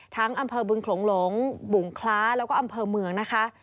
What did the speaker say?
อำเภอบึงโขลงหลงบุงคล้าแล้วก็อำเภอเมืองนะคะ